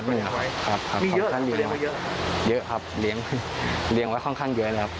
มีเยอะหรือเปลี่ยนมาเยอะหรือครับเยอะครับเลี้ยงไว้ค่อนข้างเยอะนะครับ